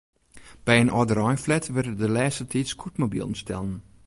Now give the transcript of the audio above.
By in âldereinflat wurde de lêste tiid scootmobilen stellen.